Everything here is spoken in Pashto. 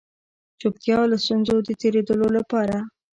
چوپتيا له ستونزو د تېرېدلو لپاره